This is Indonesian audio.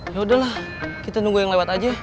yaudah lah kita nunggu yang lewat aja